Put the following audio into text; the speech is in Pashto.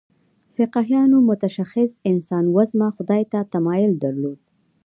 فقیهانو متشخص انسانوزمه خدای ته تمایل درلود.